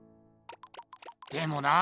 でもなあ